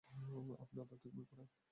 আপনি আধ্যাত্মিক বই পড়েন?